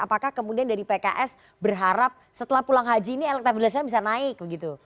apakah kemudian dari pks berharap setelah pulang haji ini elektabilitasnya bisa naik begitu